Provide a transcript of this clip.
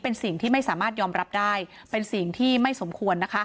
เป็นสิ่งที่ไม่สามารถยอมรับได้เป็นสิ่งที่ไม่สมควรนะคะ